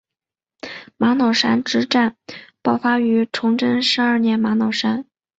玛瑙山之战爆发于崇祯十二年玛瑙山。